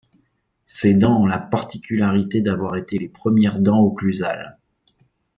Ces dents ont la particularité d'avoir été les premières dents occlusales.